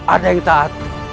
ada yang taat